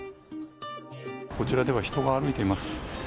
こちらでは人が歩いています。